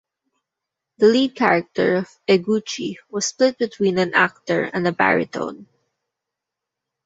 The lead character of Eguchi was split between an actor and a baritone.